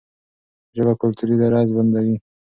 ژبه کلتوري درز بندوي.